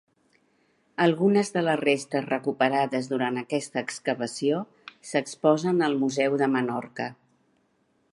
Algunes de les restes recuperades durant aquesta excavació s'exposen al Museu de Menorca.